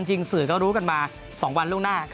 จริงสื่อก็รู้กันมา๒วันล่วงหน้า